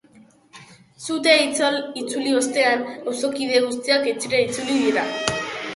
Sutea itzali ostean, auzokide guztiak etxera itzuli dira.